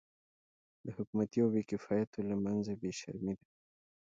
د حکومتي او بې کفایتو له منځه بې شرمي وه.